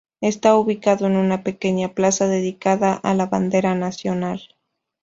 Está ubicado en una pequeña Plaza dedicada a la Bandera Nacional.